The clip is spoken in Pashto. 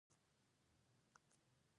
څانګه جوړه کړه.